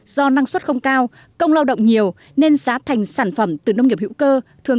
do năng suất không cao công lao động nhiều nên xá thành sản phẩm từ nông nghiệp hữu cơ